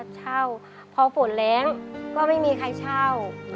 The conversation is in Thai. เช่าพอฝนแรงก็ไม่มีใครเช่า